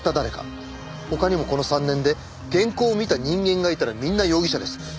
他にもこの３年で原稿を見た人間がいたらみんな容疑者です。